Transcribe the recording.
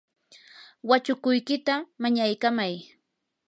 wachukuykita mañaykamay.